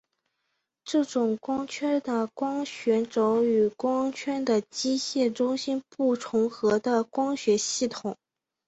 这种光圈的光学轴与光圈的机械中心不重合的光学系统。